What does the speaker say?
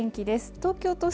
東京都心